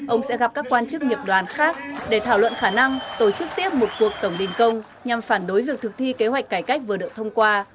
ông sẽ gặp các quan chức nghiệp đoàn khác để thảo luận khả năng tổ chức tiếp một cuộc tổng đình công nhằm phản đối việc thực thi kế hoạch cải cách vừa được thông qua